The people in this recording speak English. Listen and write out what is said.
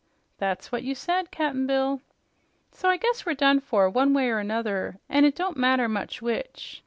"That's what you said, Cap'n Bill." "So I guess we're done for, one way 'r 'nother, an' it don't matter much which.